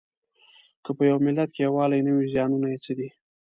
که په یوه ملت کې یووالی نه وي زیانونه یې څه دي؟